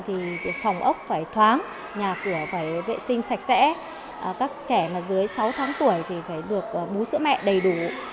thì phòng ốc phải thoáng nhà cửa phải vệ sinh sạch sẽ các trẻ mà dưới sáu tháng tuổi thì phải được bú sữa mẹ đầy đủ